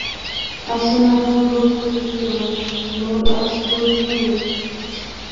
اسونه هم روم ته تللي وو، نور اس لوبې نه وې.